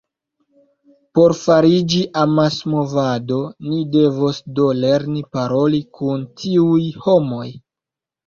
Por fariĝi amasmovado, ni devos do lerni paroli kun tiuj homoj.